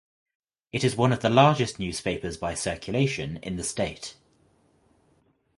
It is one of the largest newspapers by circulation in the state.